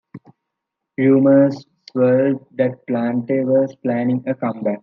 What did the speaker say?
Rumours swirled that Plante was planning a comeback.